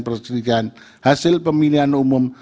perselidikian hasil pemilihan umum